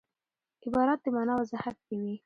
عبارت د مانا وضاحت کوي.